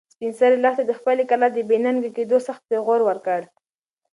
سپین سرې لښتې ته د خپلې کلا د بې ننګه کېدو سخت پېغور ورکړ.